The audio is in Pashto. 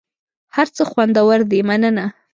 هر څه خوندور دي مننه .